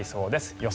予想